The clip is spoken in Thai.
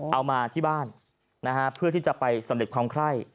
เอามาที่บ้านเพื่อที่จะไปสำเร็จความไคร่